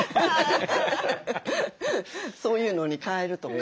そういうのに替えるとか。